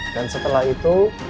dan setelah itu